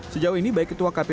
sejauh ini baik ketua kpk